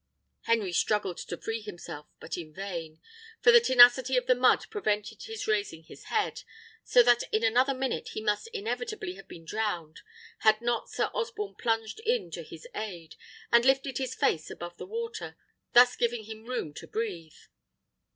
Henry struggled to free himself, but in vain; for the tenacity of the mud prevented his raising his head, so that in another minute he must inevitably have been drowned, had not Sir Osborne plunged in to his aid, and lifted his face above the water, thus giving him room to breathe.